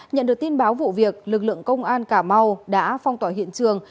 nhận được tin báo vụ việc lực lượng công an cà mau đã phong tỏa hiện trường